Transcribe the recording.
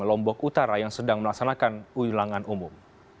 lombok utara yang sedang melaksanakan ulangan umum